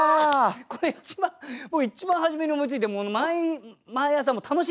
これ一番もう一番初めに思いついてもう毎朝楽しみに。